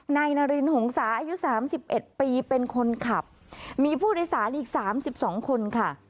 นายนารินหงษาอายุสามสิบเอ็ดปีเป็นคนขับมีผู้โดยสารอีกสามสิบสองคนค่ะ